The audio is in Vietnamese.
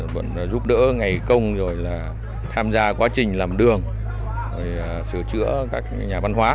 vẫn giúp đỡ ngày công rồi là tham gia quá trình làm đường sửa chữa các nhà văn hóa